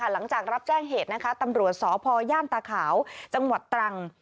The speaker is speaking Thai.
หลังจากรับแจ้งเหตุนะคะตำรวจสพย่านตาขาวจังหวัดตรัง